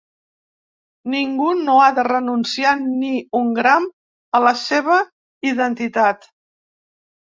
Ningú no ha de renunciar ni un gram a la seva identitat.